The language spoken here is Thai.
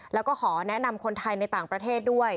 แล้วก็ขอแนะนำคนไทยในต่างประเทศด้วย